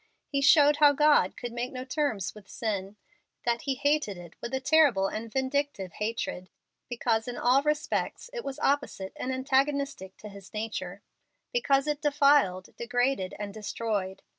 He showed how God could make no terms with sin that he hated it with a terrible and vindictive hatred, because in all respects it was opposite and antagonistic to His nature because it defiled, degraded, and destroyed.